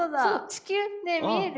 地球ねえ見える？